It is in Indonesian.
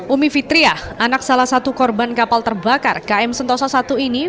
umi fitriah anak salah satu korban kapal terbakar km sentosa i ini